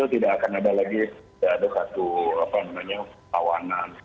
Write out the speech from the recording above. tidak akan ada lagi satu tawanan